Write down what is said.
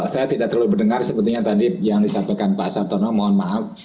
saya tidak terlalu mendengar sepertinya tadi yang disampaikan pak sartono mohon maaf